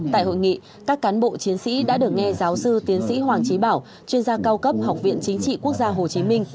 tại hội nghị các cán bộ chiến sĩ đã được nghe giáo sư tiến sĩ hoàng trí bảo chuyên gia cao cấp học viện chính trị quốc gia hồ chí minh